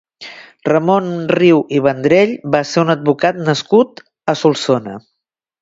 Ramon Riu i Vendrell va ser un advocat nascut a Solsona.